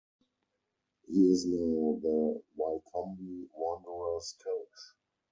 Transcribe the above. He is now the Wycombe Wanderers coach.